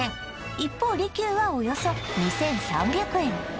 一方利久はおよそ２３００円